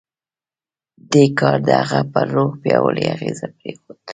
دې کار د هغه پر روح پیاوړی اغېز پرېښود